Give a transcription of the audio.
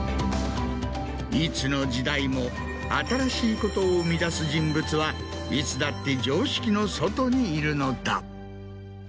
いつの時代も新しいことを生み出す人物はいつだって常識の外にいるのだ。